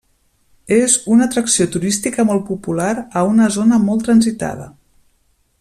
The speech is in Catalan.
És una atracció turística molt popular, a una zona molt transitada.